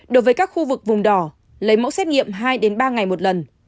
đối với các khu vực vùng đỏ lấy mẫu xét nghiệm hai ba ngày một lần